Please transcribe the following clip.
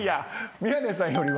宮根さんよりは。